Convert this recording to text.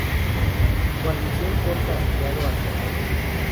Guarnición corta arqueado hacia la hoja.